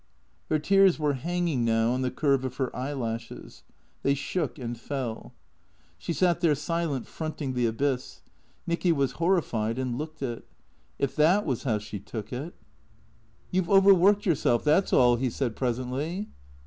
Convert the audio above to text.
Her tears were hanging now on the curve of her eyelashes. They shook and fell. THECEEATOES 95 She sat there silent, fronting the abyss. Nicky was horrified and looked it. If that was how she took it " You Ve overworked yourself. That 's all," he said pres ently.